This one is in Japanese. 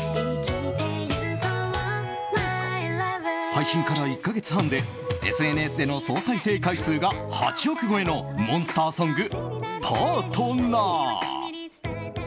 配信から１か月半でＳＮＳでの総再生回数が８億超えのモンスターソング「Ｐａｒｔｎｅｒ」。